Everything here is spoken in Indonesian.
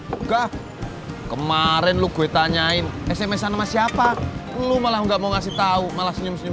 buka kemarin lo gue tanyain sms an sama siapa lu malah nggak mau ngasih tahu malah senyum senyum